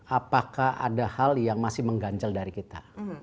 apakah ada hal yang masih menggancel dari kita